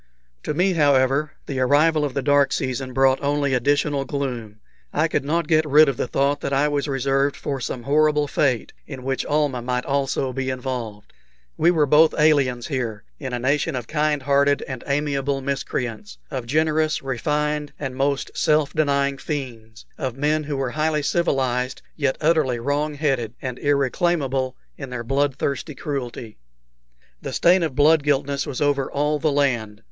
To me, however, the arrival of the dark season brought only additional gloom. I could not get rid of the thought that I was reserved for some horrible fate, in which Almah might also be involved. We were both aliens here, in a nation of kind hearted and amiable miscreants of generous, refined, and most self denying fiends; of men who were highly civilized, yet utterly wrong headed and irreclaimable in their blood thirsty cruelty. The stain of blood guiltiness was over all the land.